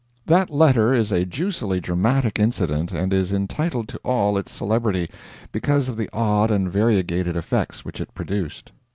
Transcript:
That letter is a juicily dramatic incident and is entitled to all its celebrity, because of the odd and variegated effects which it produced.